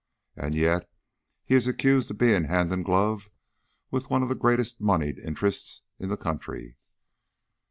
And yet he is accused of being hand in glove with one of the greatest moneyed interests in the country."